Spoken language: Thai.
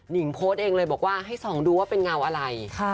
งโพสต์เองเลยบอกว่าให้ส่องดูว่าเป็นเงาอะไร